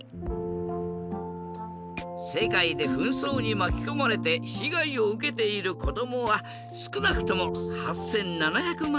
世界で紛争にまきこまれて被害を受けている子どもはすくなくとも８７００万人。